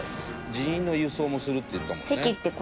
「人員の輸送もするって言ったもんね」